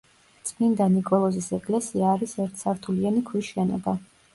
წმინდა ნიკოლოზის ეკლესია არის ერთსართულიანი ქვის შენობა.